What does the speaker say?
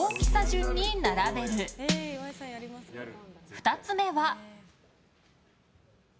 ２つ目は。